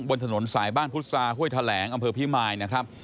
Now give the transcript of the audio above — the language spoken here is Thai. บนถนนสายบ้านพุษราฮ่วยทะแหลงอำเภอพี่มายนะครับ